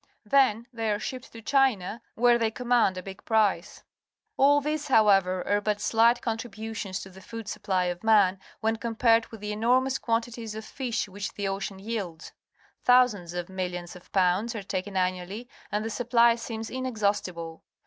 Then they are shipped to China, where they com mand a big price. All these, how ever, are but slight contributions to the food supply of man when com pared with Uie enormous quanti ties of fish which the ocean jaelds. Trepang or Sea slug Thousands of millions of pounds are taken annually, and the supply seems inexhaustible.